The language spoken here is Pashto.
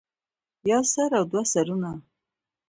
يو سر او دوه سرونه